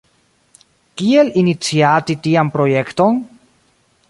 Kiel iniciati tian projekton?